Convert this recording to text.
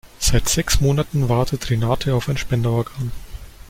Seit sechs Monaten wartet Renate auf ein Spenderorgan.